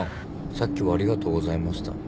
さっきはありがとうございました。